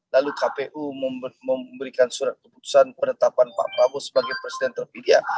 lalu kpu memberikan surat keputusan penetapan pak prabowo sebagai presiden terpilih